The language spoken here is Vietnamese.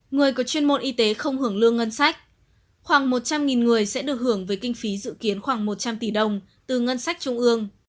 người có chuyên môn y tế không hưởng lương ngân sách khoảng một trăm linh người sẽ được hưởng với kinh phí dự kiến khoảng một trăm linh tỷ đồng từ ngân sách trung ương